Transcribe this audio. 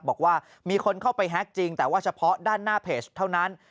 บอกว่ามีคนเข้าไปแฮ็กจริงแต่ว่าเฉพาะด้านหน้าเพจเท่านั้น